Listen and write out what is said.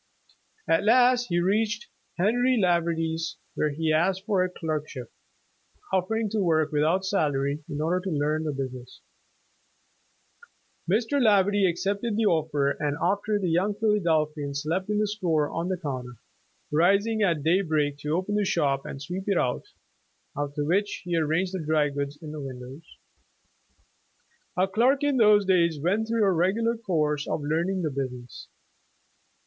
At last he reached Henry Laverty's, where he asked for a clerkship, offer ing to work without salary in order to learn the busi 91 The Original John Jacob Astor ness. Mr. Laverty accepted the offer, and after this the young Philadelphian slept in the store on the counter, rising at daybreak to open the shop and sweep it out, after which he arranged the dry goods in the windows. A clerk in those days went through a regular course of learning the business.